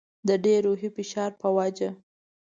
د ډېر روحي فشار په وجه.